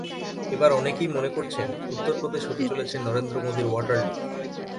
এবার অনেকেই মনে করছেন, উত্তর প্রদেশ হতে চলেছে নরেন্দ্র মোদির ওয়াটারলু।